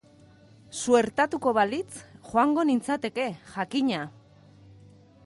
Suertatuko balitz, joango nintzateke, jakina!